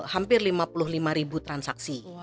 hampir lima puluh lima ribu transaksi